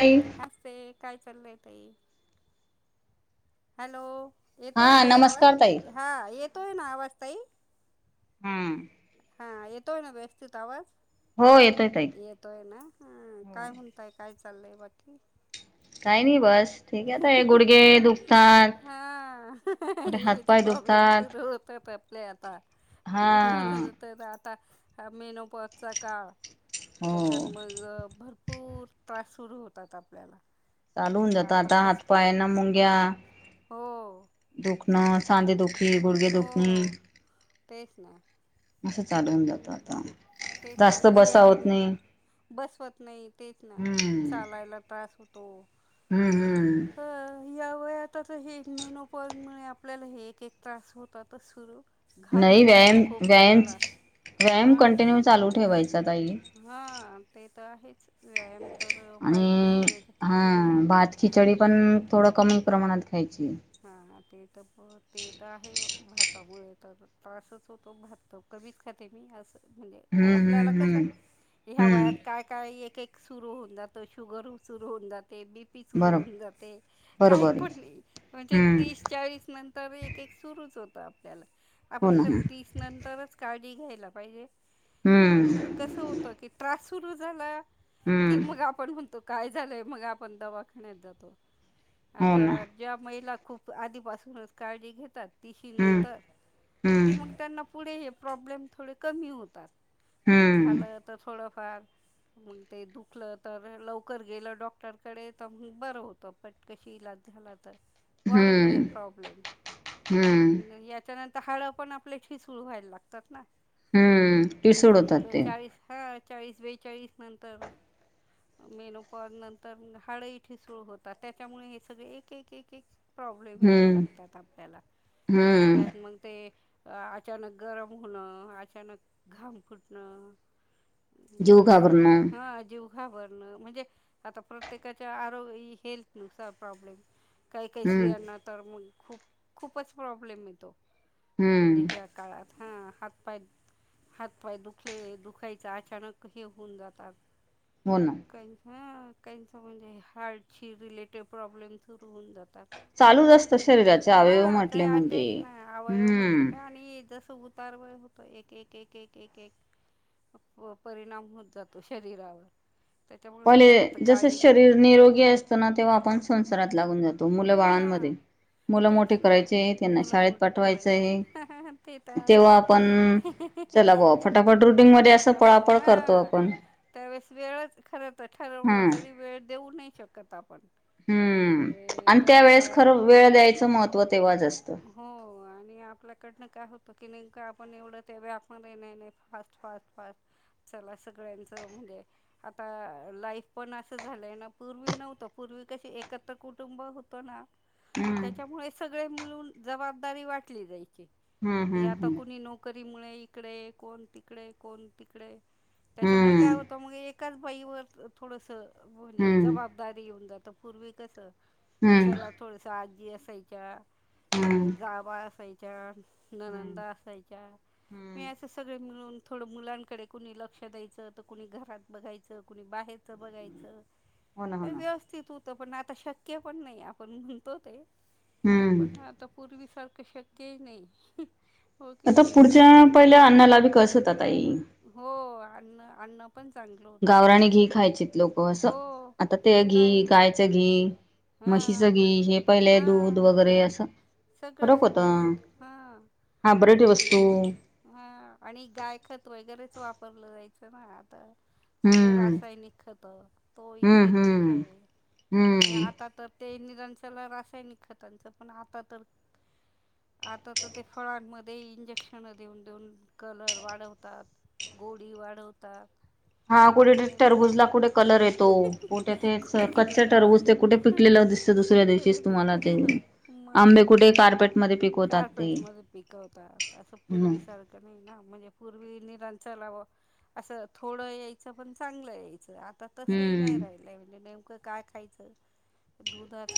ताई मस्त हे काय चालय ताई हॅलो हा येतोय ताई नमस्कार ताई. आवाज हा येतोय ना आवाज ताई हम्म हा येेतोय ना व्यवस्थित आवाज हो येतोय ताई. येतोय ना हा काय म्हणताय काय चाललय बाकी काही नाही बस ठीक आहे ताई गुडघे दुखतात हा हहह कुठे हेच हातपाय प्रॉब्लेम च दुखतात. सुरू होत हा [inaudible] हो [unintelligible] पूर त्रास सुरू होतात आपल्याला चालू हुन म्हणजे जात आपण आता हात कसं पायांना मुंग्या हो दुखणं सांदे दुखी, गुडघे दुखी, हो तेच ना असं चालून जातं आता तेच ना जास्त मग हे बसावत आता नाही हम्म [inaudible] हम्म हम्म ह या वयातच हे मेनोपत मुळे आपल्याला हे एक एक त्रास होतातच सुरू घाम नाही व्यायाम फुटतो खूप व्यायाम कुणालास व्यायाम कंटिन्यूव चालू ठेवायचा ताई आ हेच आणि हा हां भात खिचडी पण थोडं कमी प्रमाणात खायची [unintelligible] [inaudible] म्हणजे हम्म आपल्याला हम्म कस हम्म ह्या वयात हम्म काय काय एक एक सुरु हुन जातो शुगर सुरु हुन जाते ते बीपी सुरू बरो होऊन जाते काही बरोबर आहे. पण अन ते हम्म तीस चाळीस नंतर एक एक सुरूच होतं आपल्याला हो आपण ना खर तीस नंतरच काळजी घ्यायला पाहिजे हम्म पण कस होत कि त्रास सुरू झाला कि हम्म मग आपण म त काय झालय मग आपण दवाखण्यात जातो हो ना आता ज्या महिला खूप आधीपासूनच काळजी घेतात तिशी हम्म नंतर हम्म कि मग त्यांना पुढे हे प्रॉब्लेम थोडे कमी होतात मग हम्म झालं तर थोडंफार मग ते दुखलं तर लवकर गेलं डॉक्टरकडे तर मग बरं होतं पटकशी इलाज झाला. वाढत नाही हम्म प्रॉब्लेम हम्म अम्म यांच्यांनतर हाड पण आपली ठिसूळ व्हायला लागतात ना. हम्म ठिसूळ होतात एक ते. चाळीस हा चाळीस बेचाळीस नंतर मेनोपाज नंतर हाड ही ठिसूळ होतात. त्याच्यामुळे हे सगळे एक एक एक एक प्रॉब्लेम या हम्म लागतात आपल्याला. हम्म त्यात मग ते, अ अचानक गरम होणं, अचानक घाम फुटणं जीव अचानक घाबरणं हा जेव घाबरण म्हणजे आता प्रत्येकाच्या आरोग हेल्थ नुसार प्रॉब्लेम काही काही हम्म स्रियांना तर मग खूपच प्रॉब्लेम येतो. हम्म मुदह काळात हा हात पाय हात पाय दुखले दुखायचे अचानक हे होऊन जातात. हो ना म्हणजे हार्ट ची रिलेटेड प्रॉब्लेम रहून जातात. चालूच असतं ऑफ शरीराचे अवयव हा ते म्हटले म्हणजे आताच ना अवयव म्हटलं हम्म का आणि जस उतारवा होत एक एक एक एक एक एक परिणाम होत जातो शरीरावर. त्याच्यामुळे पले खरं तर जस काळजी घ्या शरीर निरोगी असतना तेव्हा आपण संसारात लागून जातो. तो मुलं हा बाळांमध्ये, मुलं तेच मोठे ना करायचे आहे. त्यांना मुलं शाळेत मोठी पाठवायचं आहे. करायचं ते तर तेव्हा आहेच आपण चला बुवा फटाफट हो रुटिंग मध्ये असं पटापट पळापळ करतो हा आपण. त्यावेळेस वेळच खर तर ठरवलं हम्म तरी वेळ देऊ नाही शकत आपण. हम्म आणि का त्या वेळेस खरं वेळ द्यायचं महत्त्व तेव्हाच असतं हो आणि आपल्याकडनं काय होत की नाही का आपण एवढं तेव आपण ये नाही फास्ट फास्ट फास्ट चला सगळ्यांचं म्हणजे, आता लाईफ पण असं झालंय ना पूर्वी नव्हतं पूर्वी कशी एकत्र कुटुंब हम्म त्याच्यामुळे सगळे मिळून जबाबदारी वाटली जाई. हे आता हम्म कुणी नोकरी मुळे इकडे कोण तिकडे कोण तिकडे त्याच्यामुळे काय हम्म होतं मग एकाच बाईवर थोडसं, म्हणजे हम्म जबाबदारी होऊन जातं. पूर्वी कसं हम्म हम्म चला थोडस आजी असायच्या, हम्म गाबा असायच्या हम्म ननंदा असायच्या मी हम्म असे सगळे मिळून थोडं मुलांकडे कुणी लक्ष द्यायचं तर कुणी घरात बघायचं कुणी बाहेर बघायच हो ना हो ना व्यवस्थित होत पण आता शक्य पण नाही आपण म्हणतो ते हम्म पण आता पूर्वी सारखं शक्यही नाही. हो की आता नाही पुढच्या पहिल्या अन्नाला बी कस होतात आई अन अन गावराणी घी खायचीत लोक असं हो आता ते घी गायचं घी हा हा म्हशीचं हे पहिलेय दूध वगैरे असं सगळं फरक होता सगळंच होत हा हायब्रेड वस्तू आणि ह आणि गाय खत वगैरे वापरलं जायचं ना [unintelligible] सगळे हम्म रासायनिक खत तोही हम्म एक विषय हम्म आहे. आणि हम्म आता तर ते निरांशला रासायनिक खतांच पण आता तर आता तर ते फळांमध्ये इंजेक्शन देऊन देऊन कलर वाढवतात. गोडी वाढवतात. हा कुठे त्यामुळे ते टरबूज ला कुठे कलर येतो कुठे ते कुठे गेलं कच्चे टरबूज ते कुठे पिकले त दुसरे दिवशी तुम्हाला ते आंबे कुठे कार पे कारपेट मध्ये पिकवतात. असं हम्म पूर्वी सारखं नाही ना म्हणजे पूर्वी निरंतर चलाव असं थोडं यायचं पण चांगलं. आता तस ह नाही हम्म राहिलय म्हणजे नेमकं काय खायचं [inaudible]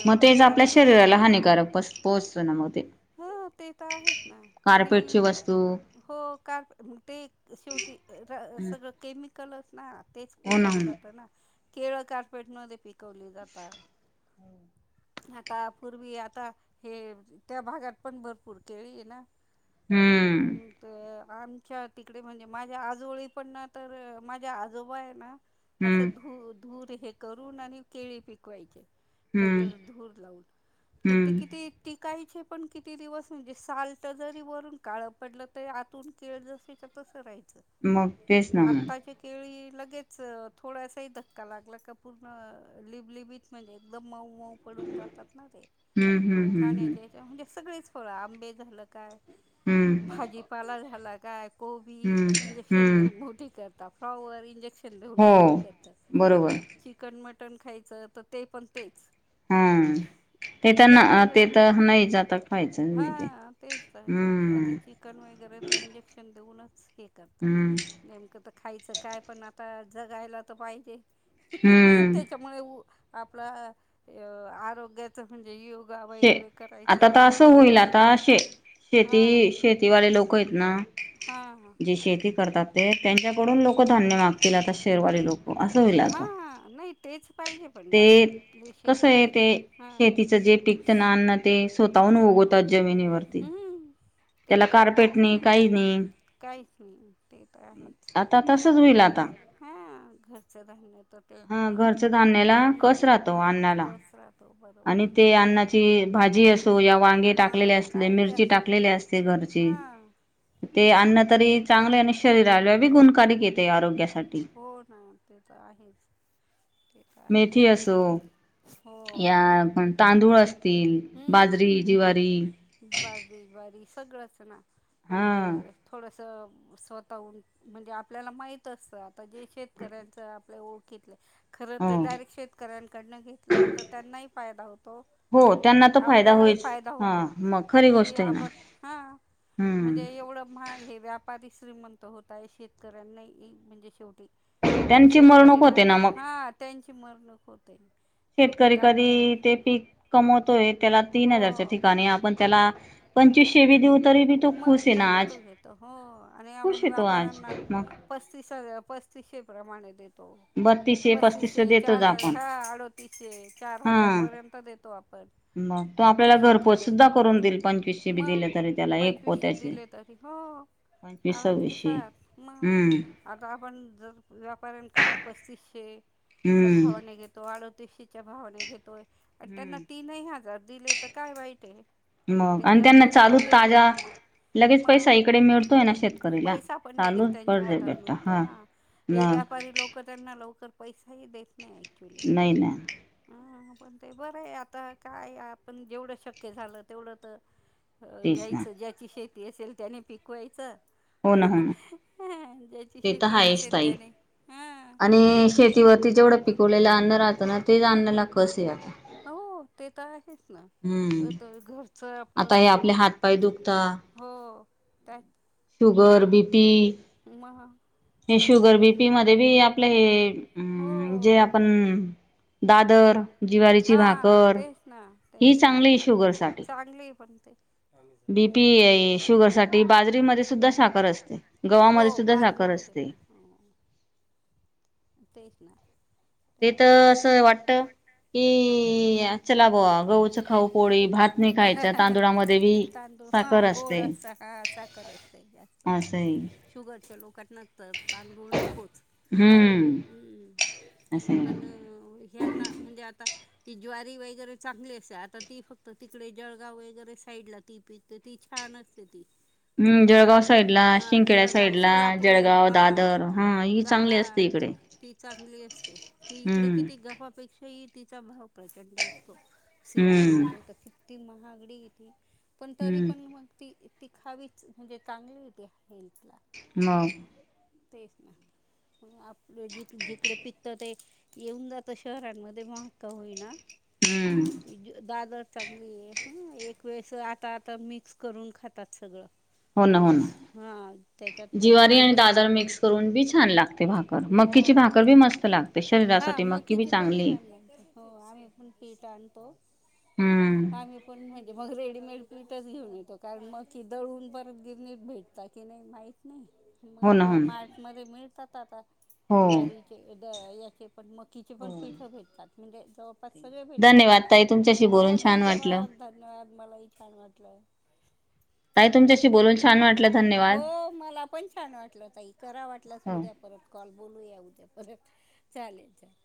मग ते पण ज आपल्या ऐक शरीराला हानिकारक पोहोचतो ना मग ते हा ते तर आहेच ना आणि कार्पेटची वस्तू हो ते शेवटी सगळ कलस ना तेच हो ना पोटात हो जात ना केरळ कार्पेट मध्ये पिकवली जातात आता पूर्वी आता हे. त्या भागात पण भरपूर केळी आहे ना हम्म तर- आमच्या तिकडे म्हणजे माझ्या आजोळी पण ना तर माझ्या आजोबा आहे ना.. असं हम्म धू धूर हे करून आणि केळी पिकवायचे काहीत हम्म धूर लावून तर ते हम्म किती टीकाय पण किती दिवस म्हणजे साल्ट जरी वरून काळ पडलं तरी आतून केळ जसे तस राहा मगग तेस मग लगेच थोडासाही धक्का लागला का पूर्ण लिबलिबीत म्हणजे एकदम मऊ पडून जातात ना ते हम्म हम्म खाण्या हम्म म्हणजे सगळेच फळ आंबे झालं काय हम्म भाजीपाला झाला काय हम्म हम्म फ्लाओवर इंजेक्शन देऊन हो मोकेत बरोबर चिकन मट मटण खायचं तर ते पण तेच हम्म ते तर ते तर नाही जात खायचंच हा तेच तर ते आता चिकन वगैरे ते इंजेक्शन देऊनच हे करतात हम्म नेमकं तर खायचं काय पण आता जगायला तर पाहिजे हम्म त्याच्यामुळे आपला आरोग्याच म्हणजे योग ा शे वगैरे आता करायचं तर हां असं होईल व्यायाम आता शे शेती हां शेतीवाले लोक आहेत ना- हां हां जे शेती करतात ते त्यांच्याकडून लोक धान्य मागतील आता शेरवाले लोक असं होईल हा आता हा नाही तेच पाहिजे पण ते डायरेक्ट कसं शेती आहे घेत ते हा शेतीचं जे पिकत नानना ते स्वतःहून उगवतात जमिनीवरती हम्म ते त्याला तर आहेच कारपेट नाही काही नाही काहीच नाही ते तर आहे आता तसच होईल आता ह घरचं धान्य तो ते हा घरचं धान्याला कस हम् राहतो अन्नाला कस राहतो बरोबर आणि आहे ते अन्नाची भाजी असो या ठीक वांगे हा टाकलेले असो काही मिरची असो टाकलेली असते घरची हा ते अन्न तरी चांगले आणि शरीराला गुणकारिक मग येते आरोग्यासाठी ह मेथी असो हो या तांदूळ असतील बाजरी जीवारी बाजरी बारी सगळंच ना हा म्हणजे थोडस स्वतःहून म्हणजे आपल्याला माहित असत आता जे शेतकऱ्यांच आपल्या ओळखितले- खर तर हो डायरेक्ट शेतकऱ्यांकडनं घेतलं तर त्यांनाही फायदा होतो हो त्यांना तर फायदा आपल्यालाही होईच फायदा हा होतो मग खरी ही गोष्ट आहे ना आपण हां हम्म म्हणजे एवढं महाग हे व्यापारी श्रीमंत होताय शेतकऱ्यांना म्हणजे शेवटी त्यांची मरणूक शेतकऱरीना होते ना मग हा त्यांची मरणक होत शेतकरी कधी ते पीक कमवतोय त्याला तीन हजारच्या हो ठिकाणी आपण त्याला- पंचवीसेवी देऊ- तरी बी तो खुश मग आहे ना तरी तो आज घेत हो आणि खुश आपण आहे तो आज व्यापाऱ्यांना मग पस्तीस पस्तीसशे प्रमा द बत्तीस हे पस्तीस देतोच हजार आपण हा अडतीसशे चार हा हजार पर्यंत देतो आपण ते शेतकऱ्या पं कशे ब दि मग पंचवीसशे दिले तरी, हो,, पंचवीस आराम सव्वीसशे केसात मग,, हम्म आता आपण जर व्यापाऱ्यांकडनंऽऽ पस्तीसशेच्या हम्म भावाने घेतो, अडोतीसशेच्या भावाने घेतो आणि त्यांना हम्म तीनही हजार दिले तर काय वाईट आहे, ते घर पोहचऽ तलू ताजा, लगेच पैसा इकडे मिळतोय ना शेतकरीला,, पैसा पण लगेच चालूच त्यांच्या पडज हातात बेटा मिळतो हा, ना हे मऽऽ व्यापारी लोकं त्यांना लवकर पैसाही देत नाही ऍक्च्युली, नाही ना पण ते बरं आहे, आता काय आपण जेवढं शक्य झालं तेवढं तरऽऽ अ तेच ना घ्यायचं ज्याची शेती असेल त्याने पिकवायचं, ह हो ना हो ना ज्याची ते तर शेती हायच नसेल त्याने, हां, ती जेवढं पिकवलेलं अन्न राहतं ना तेच अन्नाला कस आहे आता ऽऽ हो, ते तर आहेच ना, हम्म स् तर घरच आता आपलं हे आपले शेवटीऽऽ हातपाय दुखता हो, त्याचऽ शुगर, बीपी हे शुगर बीपी मध्ये बीऽ आपलं हे, अ, हो जे आपण, दादरऽऽ हा, तेच ना, ही तेच ना, चांगली शुगर चांगली पण तेऽऽ पी, शुगर साठी बाजरीमध्ये सुधाऽऽ सुद्धा साखर असते, हो गवामध्ये सुद्धा साखर बाजरीमध्ये असते,, पण हो तेच ना,, ते त्याचं मग तर ते असं खाल्लं वाटतऽऽ हां कि चला बूआ, गऊच खाऊ पोळी, भात नाही खायच, तांदुळामध्ये बीऽऽ हा, गोड असत, हा साखर असते, जास्तऽ असंय शुगरच्या लोकांना तर तांदूळ नकोच,, हम्म, हम्म, असं पण ह्याना, म्हणजे आताऽऽ ती ज्वारी वगैरे चांगली असते, आता ती फक्त तिकडे जळगाव वगैरे साईड ला, ती पिकते ती छानऽऽ छानच ते ती क हम्म जळगाव साईड शाळुज, ला हा शिंकेड्या जळगाव, साईड ला सोलापूर जळगाव हा, दादर हा ही चांगली दहाऽऽ असते इकडे ती चांगली असते, ती इकडे हम्म किती गवापेक्षाही तिचा भावऽऽ प्रचंड असतो, हम्म सिटीमध्ये त किती महागडी येती. पण तरी हम्म पण मग त ती खावीच, म्हणजे चांगली हो हेल्थ ला. म. तेच ना. आपलं जिक जिकडे पिकतं ते येऊन जात शहरांमध्ये महाग का होईना, हम्म दाळदर चांगलीये ह, एक वेळेस आता, आता मिक्स करून खातात सगळं. मिक्स, हं. जिवारी आणि दाळदार मिक्स करून बी छान लागते. भाकर, मग हो ना, हा म मक्की बी तची पण चांगली छान लागते, हो आम्ही पण पीठ आणतो. हम्म आम्ही पण म्हणजे मग रेडीमेड पीठच घेऊन येतो, कारण मग की दळून परत गिरणीत भेटता की नाही, माहीत नाही. हो ना आपलं हो मार्टमध्ये मिळतात आता, हो ज्वारीचे द याचे पण मकीचे पण पीठं भेटतात, म्हणजे जवळपास सगळे भेटतात. धन्यवाद ताई तुमच्याशी बोलून हो, छान वाटलं धन्यवाद, धन्यवाद, मलाही छान वाटलं. ताई तुमच्याशी बोलून छान वाटलं धन्यवाद हो, मला पण छान वाटलं ताई, करा वाटलंच हो उद्या परत कॉल. बोलुया उद्या, आ चालेल चालेल.